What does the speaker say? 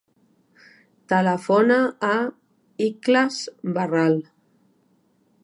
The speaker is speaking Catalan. Telefona a l'Ikhlas Barral.